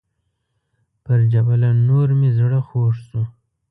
پر جبل النور مې زړه خوږ شو.